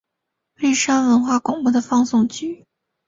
蔚山文化广播的放送局。